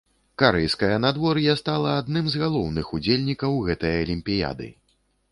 Карэйскае надвор'е стала адным з галоўных удзельнікаў гэтай алімпіяды.